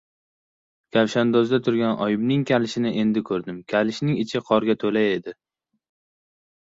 Kavshandozda turgan oyimning kalishini endi ko‘rdim. Kalishning ichi qorga to‘la edi.